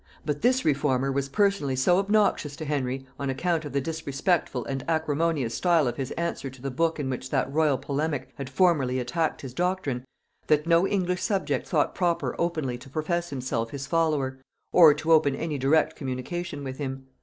But this reformer was personally so obnoxious to Henry, on account of the disrespectful and acrimonious style of his answer to the book in which that royal polemic had formerly attacked his doctrine, that no English subject thought proper openly to profess himself his follower, or to open any direct communication with him.